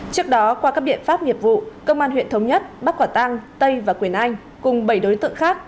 trước đó qua các biện pháp nghiệp vụ công an huyện thống nhất bắc quả tăng tây và quyển anh cùng bảy đối tượng khác